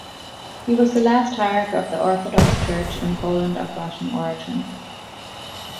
He was the last hierarch of the Orthodox Church in Poland of Russian origin.